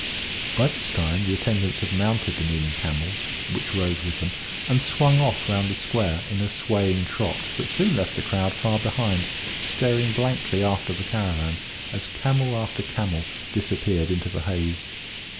By this time the attendants had mounted the kneeling camels, which rose with them, and swung off round the square in a long, swaying trot that soon left the crowd far behind, staring blankly after the caravan as camel after camel disappeared into the haze.